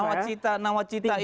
nawacita itu adalah produk ideologis